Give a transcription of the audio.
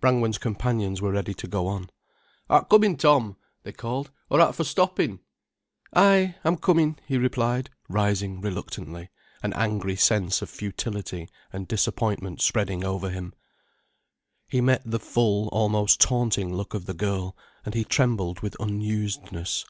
Brangwen's companions were ready to go on. "Art commin', Tom," they called, "or art for stoppin'?" "Ay, I'm commin'," he replied, rising reluctantly, an angry sense of futility and disappointment spreading over him. He met the full, almost taunting look of the girl, and he trembled with unusedness.